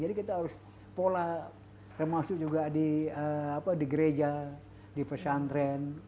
jadi kita harus pola termasuk juga di gereja di pesantren